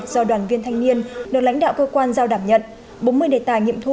do đoàn viên thanh niên được lãnh đạo cơ quan giao đảm nhận bốn mươi đề tài nghiệm thu